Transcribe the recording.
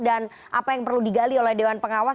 dan apa yang perlu digali oleh dewan pengawas